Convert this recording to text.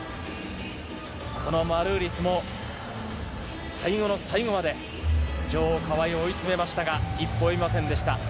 このマルーリスも最後の最後まで、女王、川井を追い詰めましたが、一歩及びませんでした。